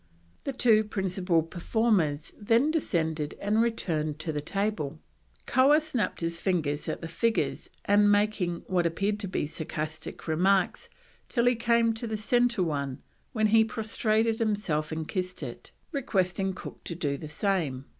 The two principal performers then descended and returned to the table, Koah snapping his fingers at the figures and making what appeared to be sarcastic remarks, till he came to the centre one, when he prostrated himself and kissed it, requesting Cook to do the same.